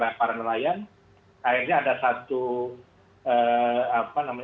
akhirnya ada satu